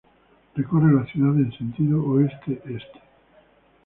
Recorre la ciudad en sentido oeste-este.